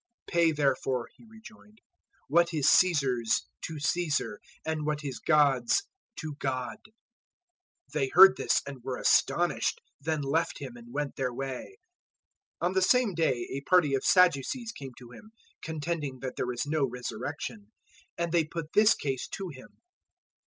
"Pay therefore," He rejoined, "what is Caesar's to Caesar; and what is God's to God." 022:022 They heard this, and were astonished; then left Him, and went their way. 022:023 On the same day a party of Sadducees came to Him, contending that there is no resurrection. And they put this case to Him.